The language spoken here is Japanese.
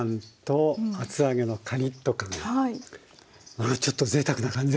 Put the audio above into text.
これちょっとぜいたくな感じですね。